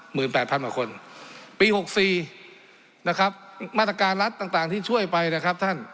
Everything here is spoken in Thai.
แปดพันกว่าคนปีหกสี่นะครับมาตรการรัฐต่างต่างที่ช่วยไปนะครับท่าน